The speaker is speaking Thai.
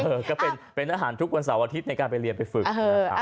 เออแล้วก็เป็นทหารทุกวันเสาร์อาทิตย์ในการเรียนค่ะ